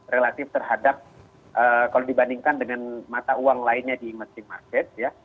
relatif terhadap kalau dibandingkan dengan mata uang lainnya di meching market ya